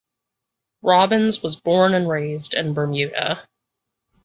Robbins was born and raised in Bermuda.